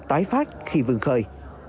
tái phát khi vương khơi